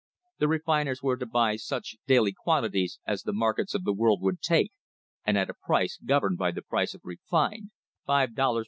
The refiners were to buy such Iaily quantities as the markets of the world would take and t a price governed by the price of refined, five dollars per bar *See Appendix, Number 17.